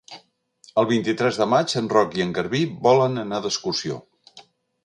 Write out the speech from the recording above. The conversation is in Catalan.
El vint-i-tres de maig en Roc i en Garbí volen anar d'excursió.